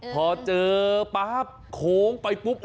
พอเจอเขียนของไปปุ๊ป